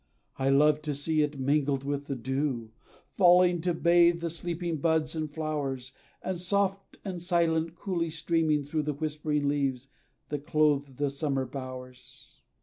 I love to see it, mingled with the dew, Falling to bathe the sleeping buds and flowers; And soft, and silent, coolly streaming through The whispering leaves, that clothe the summer bowers.